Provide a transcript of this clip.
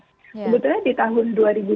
sebetulnya di tahun dua ribu tujuh